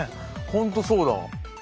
ほんとそうだ。